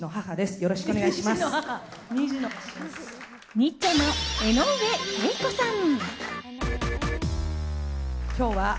ニッチェの江上敬子さん。